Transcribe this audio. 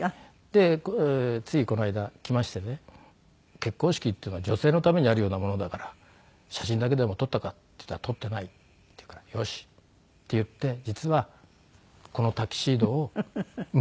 でついこの間来ましてね「結婚式っていうのは女性のためにあるようなものだから写真だけでも撮ったか？」って言ったら「撮ってない」って言うから「よし」って言って実はこのタキシードを息子に着せて。